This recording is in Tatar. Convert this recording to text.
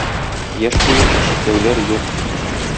Яшь буенча чикләүләр юк.